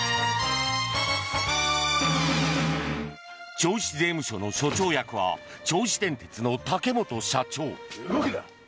銚子税務署の署長役は銚子電鉄の竹本社長。